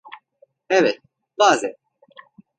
Evet, bazen.